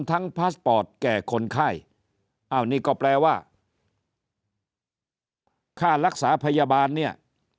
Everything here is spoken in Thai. พาสปอร์ตแก่คนไข้อ้าวนี่ก็แปลว่าค่ารักษาพยาบาลเนี่ย